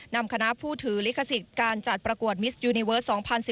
นำคณะผู้ถือลิขสิทธิ์การจัดประกวดมิสยูนิเวิร์ส๒๐๑๙